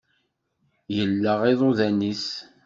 Yelleɣ iḍuḍan-is.